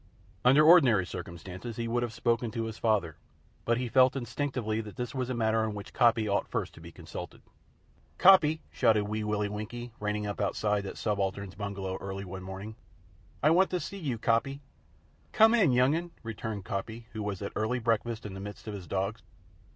Under ordinary circumstances he would have spoken to his father, but he felt instinctively that this was a matter on which Coppy ought first to be consulted. "Coppy," shouted Wee Willie Winkie, reining up outside that subaltern's bungalow early one morning "I want to see you, Coppy!" "Come in, young 'un," returned Coppy, who was at early breakfast in the midst of his dogs.